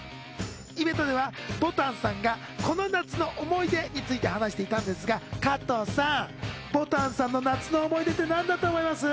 イベントではぼたんさんがこの夏の思い出について話していたんですが、加藤さん、ぼたんさんの夏の思い出って何だと思います？